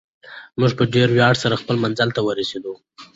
موږ په ډېر ویاړ سره خپل منزل ته ورسېدو.